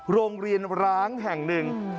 โรงเรียนร้างแห่งหนึ่ง